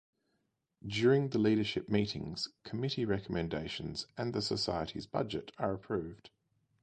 During the Leadership Meetings committee recommendations and the society's budget are approved.